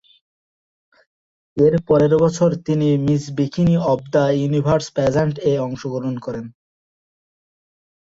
এরপরের বছর তিনি Miss Bikini of the Universe পাজ্যান্ট-এ অংশগ্রহণ করেন।